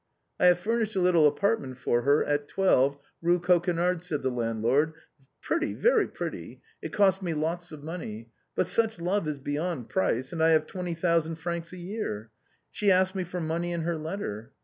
" I have furnished a little apartment for her at 12, Rue Coquenard," said the landlord ; "pretty, very pretty ; it cost me lots of money. But such love is beyond price; and I have tw^enty thousand francs a year. She asks me for money in her letter.